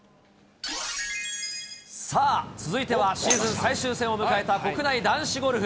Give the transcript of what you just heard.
さあ、続いてはシーズン最終戦を迎えた国内男子ゴルフ。